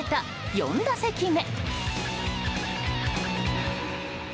４打席目。